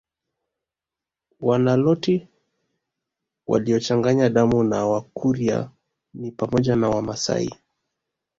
Waniloti waliochanganya damu na Wakurya ni pamoja na Wamasai